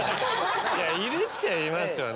いるっちゃいますよね。